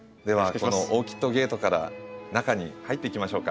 この「オーキッド・ゲート」から中に入っていきましょうか。